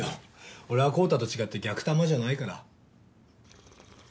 俺は昂太と違って逆玉じゃないから。